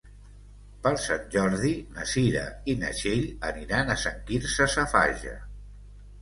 Per Sant Jordi na Cira i na Txell aniran a Sant Quirze Safaja.